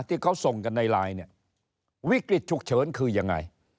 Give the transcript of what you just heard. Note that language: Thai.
ที่เขาส่งกันในไลน์เนี่ยวิกฤตฉุกเฉินคือยังไง